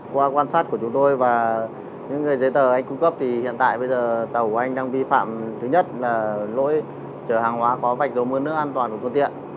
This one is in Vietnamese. qua quan sát của chúng tôi và những giấy tờ anh cung cấp thì hiện tại bây giờ tàu của anh đang vi phạm thứ nhất là lỗi chở hàng hóa có vạch dầu mun nước an toàn của phương tiện